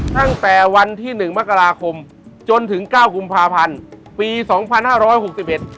ตั้งแต่วันที่หนึ่งมกราคมจนถึงเก้ากุมภาพันธ์ปีสองพันห้าร้อยหกสิบเอ็ด